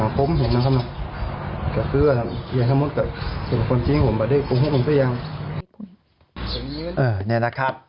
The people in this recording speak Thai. นี่นี่นะครับ